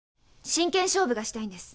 真剣勝負がしたいんです。